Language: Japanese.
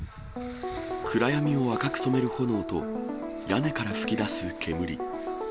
暗闇を赤く染める炎と屋根から噴き出す煙。